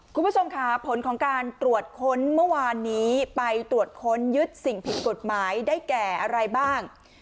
คุณผู้ชมค่ะผลของการตรวจค้นเมื่อวานนี้ไปตรวจค้นยึดสิ่งผิดกฎหมายได้แก่อะไรบ้าง